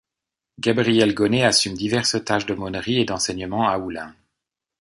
Gabriel Gonnet assume diverses tâches d'aumôneries et d'enseignement à Oullins.